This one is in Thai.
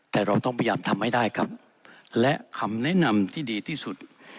แต่เราต้องพยายามทำให้ได้ครับและคำแนะนำที่ดีที่สุด